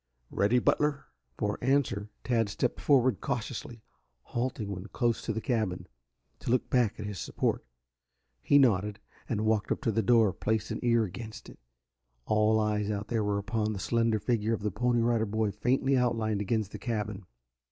"Ready, Butler?" For answer Tad stepped forward cautiously, halting when close to the cabin, to look back at his support. He nodded, and walking up to the door, placed an ear against it. All eyes out there were upon the slender figure of the Pony Rider Boy faintly outlined against the cabin.